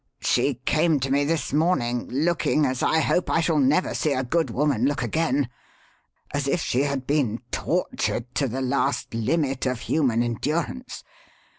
She came to me this morning looking as I hope I shall never see a good woman look again as if she had been tortured to the last limit of human endurance.